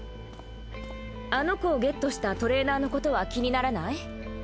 あの子をゲットしたトレーナーのことは気にならない？